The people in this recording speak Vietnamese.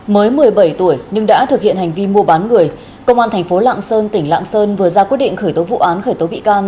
mới một mươi bảy tuổi nhưng đã thực hiện hành vi mua bán người công an thành phố lạng sơn tỉnh lạng sơn vừa ra quyết định khởi tố vụ án khởi tố bị can